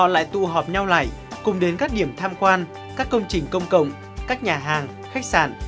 đi theo lại cùng đến các điểm tham quan các công trình công cộng các nhà hàng khách sạn